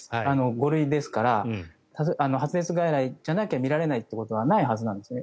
５類ですから発熱外来じゃなきゃ診られないということはないんですね。